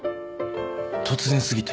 突然過ぎて。